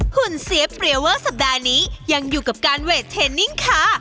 หุ่นเสียเปรียเวอร์สัปดาห์นี้ยังอยู่กับการเวทเทนนิ่งค่ะ